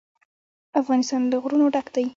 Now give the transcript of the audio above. افغانستان له غرونه ډک دی.